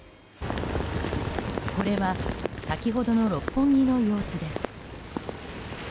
これは先ほどの六本木の様子です。